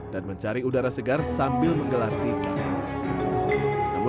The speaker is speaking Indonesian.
dan mencari udara segar sambil menggelar tingkat